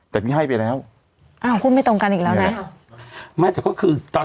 แต่พี่ให้ไปแล้วอ้าวพูดไม่ตรงกันอีกแล้วนะไม่แต่ก็คือตอน